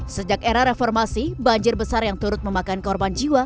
sejak era reformasi banjir besar yang turut memakan korban jiwa